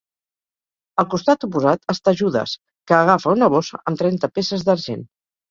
Al costat oposat està Judes, que agafa una bossa amb trenta peces d'argent.